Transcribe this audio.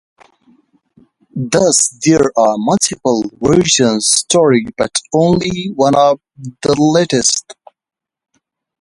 Thus there are multiple versions stored, but only one is the latest.